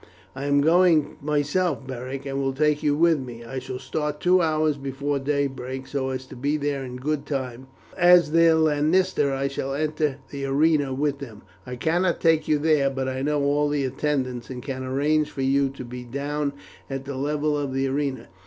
"I am going myself, Beric, and will take you with me. I shall start two hours before daybreak, so as to be there in good time. As their lanista I shall enter the arena with them. I cannot take you there, but I know all the attendants, and can arrange for you to be down at the level of the arena.